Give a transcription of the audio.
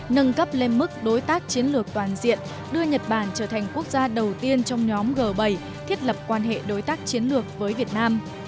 nâng cấp lên mức đối tác chiến lược toàn diện đưa nhật bản trở thành quốc gia đầu tiên trong nhóm g bảy thiết lập quan hệ đối tác chiến lược với việt nam